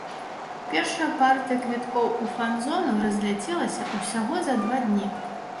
Першая партыя квіткоў у фан-зону разляцелася ўсяго за два дні.